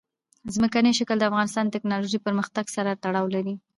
ځمکنی شکل د افغانستان د تکنالوژۍ پرمختګ سره تړاو لري.